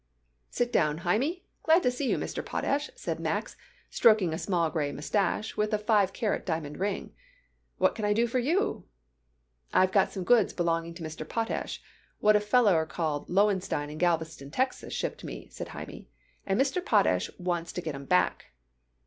"Sit down, Hymie. Glad to see you, Mr. Potash," Max said, stroking a small gray mustache with a five carat diamond ring. "What can I do for you?" "I got some goods belonging to Mr. Potash what a fellow called Lowenstein in Galveston, Texas, shipped me," said Hymie, "and Mr. Potash wants to get 'em back."